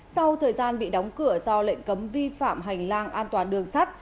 sau thời gian bị đóng cửa do lệnh cấm vi phạm hành lang an toàn đường sắt